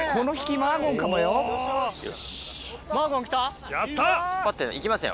マーゴンきた？